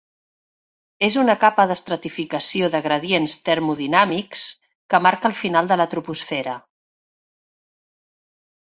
És una capa d'estratificació de gradients termodinàmics, que marca el final de la troposfera.